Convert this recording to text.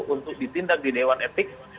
untuk ditindak di dewan etik